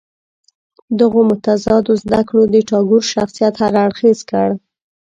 دغو متضادو زده کړو د ټاګور شخصیت هر اړخیز کړ.